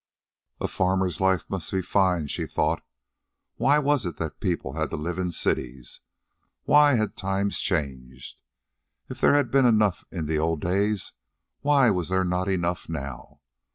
A farmer's life must be fine, she thought. Why was it that people had to live in cities? Why had times changed? If there had been enough in the old days, why was there not enough now?